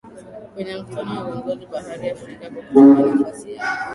kwenye mkutano wa viongozi barani afrika kwa kutumia nafasi yake